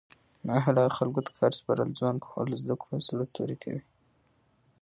نااهلو خلکو ته کار سپارل ځوان کهول له زده کړو زړه توری کوي